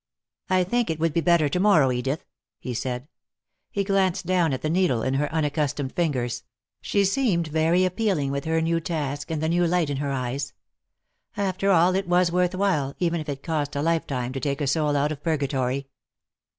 "I think it would be better to morrow, Edith," he said. He glanced down at the needle in her unaccustomed fingers; she seemed very appealing, with her new task and the new light in her eyes. After all, it was worth while, even if it cost a lifetime, to take a soul out of purgatory.